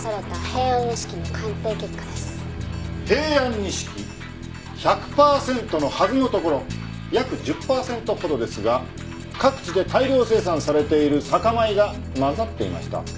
平安錦１００パーセントのはずのところ約１０パーセントほどですが各地で大量生産されている酒米が混ざっていました。